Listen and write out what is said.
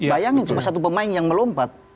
bayangin cuma satu pemain yang melompat